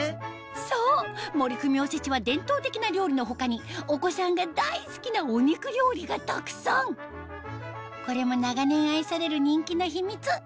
そう森クミおせちは伝統的な料理の他にお子さんが大好きなお肉料理がたくさんこれも長年愛される人気の秘密